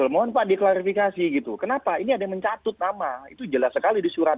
mohon pak diklarifikasi gitu kenapa ini ada yang mencatut nama itu jelas sekali di surat